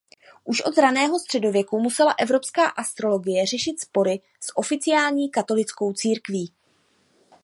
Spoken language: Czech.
Už od raného středověku musela evropská astrologie řešit spory s oficiální katolickou církví.